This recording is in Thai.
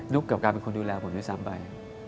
กับการเป็นคนดูแลผมด้วยซ้ำไป